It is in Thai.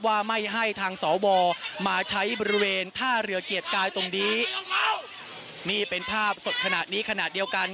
ว่าไม่ให้ทางสวมาใช้บริเวณท่าเรือเกียรติกายตรงนี้นี่เป็นภาพสดขณะนี้ขณะเดียวกัน